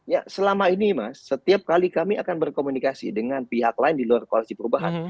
ya selama ini mas setiap kali kami akan berkomunikasi dengan pihak lain di luar koalisi perubahan